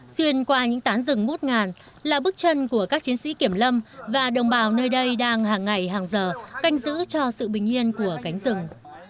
xuyên qua những tán rừng ngút ngàn là bước chân của các chiến sĩ kiểm lâm và đồng bào nơi đây đang hàng ngày hàng giờ canh giữ cho sự bình yên của cánh rừng